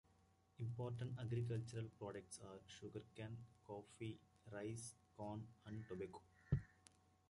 Important agricultural products are sugar cane, coffee, rice, corn, and tobacco.